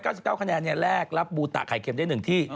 บอกว่า๒๙๙คะแนนแรกรับบูตาไข่เค็มได้หนึ่งที่